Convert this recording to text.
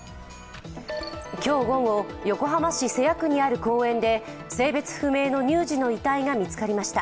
今日午後、横浜市瀬谷区にある公園で性別不明の乳児の遺体が見つかりました。